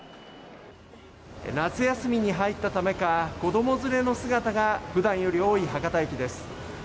夏休みに入ったためか子供連れの姿が普段より多い博多駅です。